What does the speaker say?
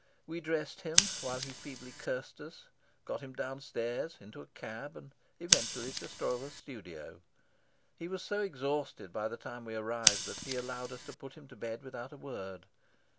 We dressed him, while he feebly cursed us, got him downstairs, into a cab, and eventually to Stroeve's studio. He was so exhausted by the time we arrived that he allowed us to put him to bed without a word.